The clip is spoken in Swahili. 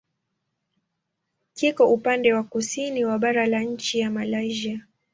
Kiko upande wa kusini wa bara la nchi ya Malaysia.